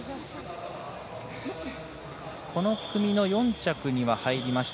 この組の４着には入りました。